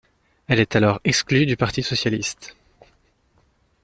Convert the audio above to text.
Elle est alors exclue du Parti socialiste.